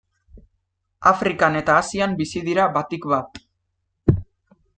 Afrikan eta Asian bizi dira batik bat.